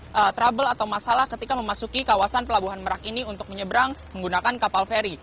ada trouble atau masalah ketika memasuki kawasan pelabuhan merak ini untuk menyeberang menggunakan kapal feri